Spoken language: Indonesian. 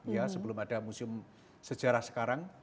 ya sebelum ada museum sejarah sekarang